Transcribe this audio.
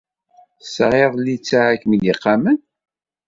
Tesɛid littseɛ ara kem-id-iqamen?